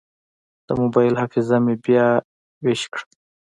د موبایل حافظه مې بیا ویش کړه.